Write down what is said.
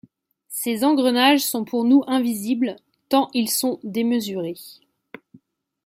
Ses engrenages sont pour nous invisibles, tant ils sont démesurés.